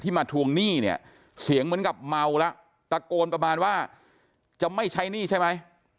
มาทวงหนี้เนี่ยเสียงเหมือนกับเมาแล้วตะโกนประมาณว่าจะไม่ใช้หนี้ใช่ไหม